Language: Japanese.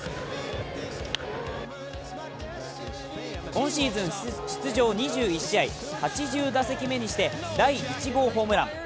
今シーズン出場２１の試合、８０打席目にして第１号ホームラン。